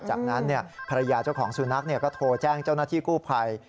จากนั้นภรรยาเจ้าของสุนัขก็โทรแจ้งเจ้าหน้าที่กู้ภัย